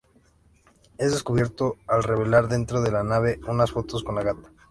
Es descubierto al revelar dentro de la nave unas fotos con la gata.